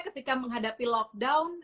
ketika menghadapi lockdown